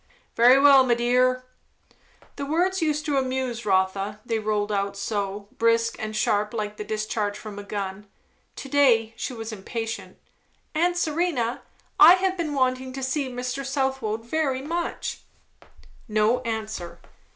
"Very well, my dear." The words used to amuse Rotha, they rolled out so, brisk and sharp, like the discharge from a gun. To day she was impatient. "Aunt Serena, I have been wanting to see Mr. Southwode very much." No answer.